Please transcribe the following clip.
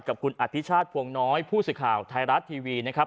กับคุณอภิชาติพวงน้อยผู้สื่อข่าวไทยรัฐทีวีนะครับ